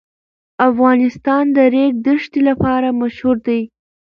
افغانستان د د ریګ دښتې لپاره مشهور دی.